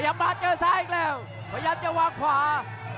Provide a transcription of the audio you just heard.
มาเจอซ้ายอีกแล้วพยายามจะวางขวา